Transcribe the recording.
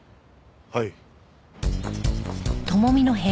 はい。